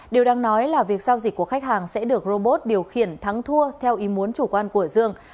điều đang nói là việc giao dịch của khách hàng sẽ được robot điều khiển thắng thua theo ý muốn chủ quan của dương